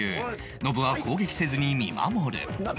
ノブは攻撃せずに見守る